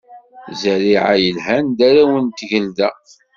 Zerriɛa yelhan, d arraw n tgelda.